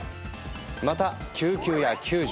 また救急や救助。